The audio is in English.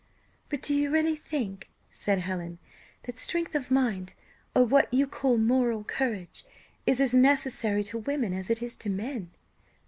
"But do you really think," said Helen, "that strength of mind, or what you call moral courage, is as necessary to women as it is to men?"